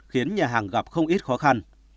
khiến nhà hàng gặp không ít khó khăn